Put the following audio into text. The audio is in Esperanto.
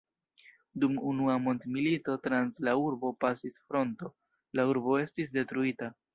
Dum Unua mondmilito trans la urbo pasis fronto, la urbo estis detruita.